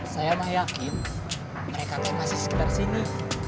saya mah yakin mereka tuh masih sekitar sini